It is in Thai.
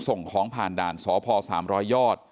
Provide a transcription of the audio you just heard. ส่งของผ่านด่านสพ๓๐๐ยอด